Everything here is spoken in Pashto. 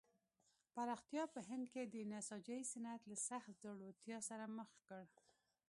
پراختیا په هند کې د نساجۍ صنعت له سخت ځوړتیا سره مخ کړ.